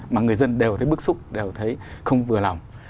mà người dân đều thấy bức xúc đều thấy không vừa lòng